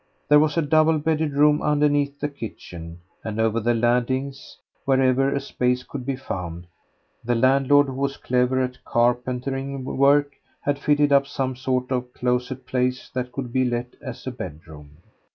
There was a double bedded room underneath the kitchen, and over the landings, wherever a space could be found, the landlord, who was clever at carpentering work, had fitted up some sort of closet place that could be let as a bedroom.